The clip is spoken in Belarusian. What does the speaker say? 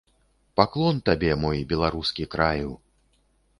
Паклон табе, мой беларускі краю!